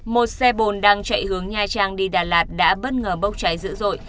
một xe bồn đang chạy hướng nha trang đi đà lạt đã bất ngờ bốc cháy dữ dội